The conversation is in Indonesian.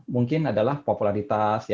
mungkin adalah popularitas